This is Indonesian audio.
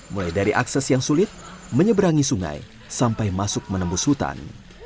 mulai dari akses yang sulit menyeberangi sungai sampai masuk menembus hutan